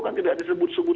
kan tidak disebut sebut